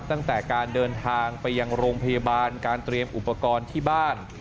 ตั้งแต่การเดินทางไปยังโรงพยาบาลการเตรียมอุปกรณ์ที่บ้าน